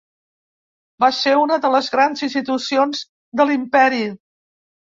Va ser una de les grans institucions de l'Imperi.